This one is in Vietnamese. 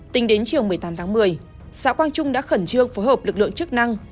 tính đến chiều một mươi tám tháng một mươi xã quang trung đã khẩn trương phối hợp lực lượng chức năng